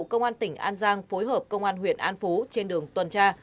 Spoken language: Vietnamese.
công an tỉnh an giang phối hợp công an huyện an phú trên đường tuần tra